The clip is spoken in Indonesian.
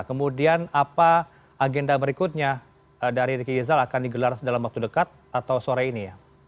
kemudian apa agenda berikutnya dari riki rizal akan digelar dalam waktu dekat atau sore ini